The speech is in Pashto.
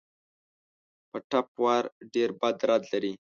په ټپ وار ډېر بد درد لري.